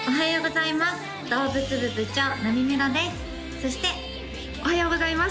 そしておはようございます